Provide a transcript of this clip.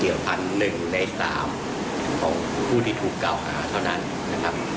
เกี่ยวพันธุ์๑ใน๓ของผู้ที่ถูกก้าวหาเท่านั้นนะครับ